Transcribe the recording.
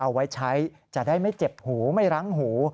เอาไว้ใช้จะได้ไม่เจ็บหูไม่รั้งหู